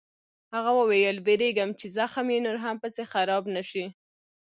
هغه وویل: وېرېږم چې زخم یې نور هم پسې خراب نه شي.